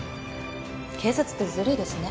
警察ってずるいですね。